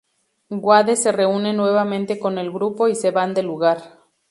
Wade se reúne nuevamente con el grupo y se van del lugar.